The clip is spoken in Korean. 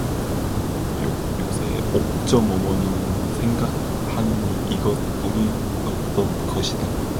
요새 옥점 어머니는 생각하느니 이것뿐이었던 것이다.